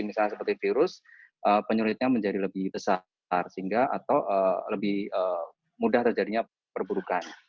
misalnya seperti virus penyulitnya menjadi lebih besar sehingga atau lebih mudah terjadinya perburukan